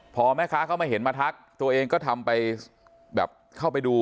พอแม่ค้าเข้ามาเห็นมาทักตัวเองก็ทำไปแบบเข้าไปดู